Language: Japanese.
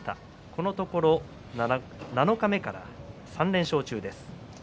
このところ七日目から３連勝中です。